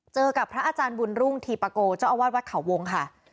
เจอกับพระอาจารย์บุญรุ่งธีปะโกเจ้าอาวาสวัดเขาวงค่ะ